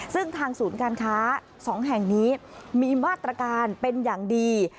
ซึ่งทางศูนย์การค้า๒แห่งนี้มีมาตรการเป็นอย่างดี